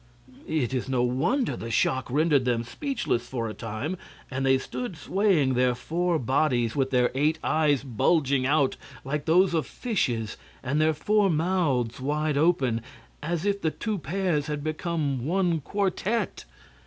It is no wonder the shock rendered them speechless for a time, and they stood swaying their four bodies, with their eight eyes bulging out like those of fishes and their four mouths wide open, as if the two pairs had become one quartet.